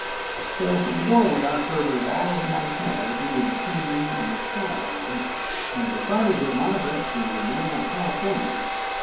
So from the doorway I surveyed all of Montana that lay between me and the sky line, and decided that my bets would remain on California.